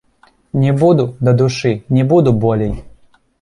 Не буду, дадушы, не буду болей!